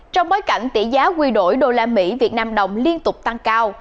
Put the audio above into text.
trong bối cảnh tỷ giá quy đổi đô la mỹ việt nam đồng liên tục tăng cao